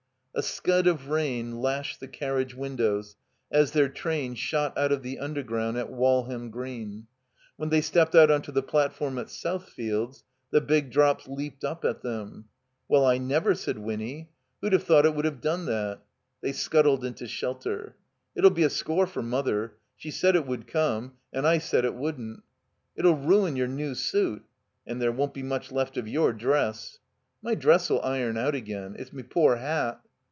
A scud of rain lashed the carriage windows as their train shot out of the Undergroimd at Walham Green. When they stepped out onto the platform at Southfields, the big drops leaped up at them. ''Well, I never," said Winny. "Who'd have thought it would have done that?" They scuttled into shelter. *'It 'U be a score for Mother. She said it would come, and I said it wouldn't." It 'U ruin your new suit." 'And there won't be much left of your dress." My dress *11 iron out again. It's me poor hat."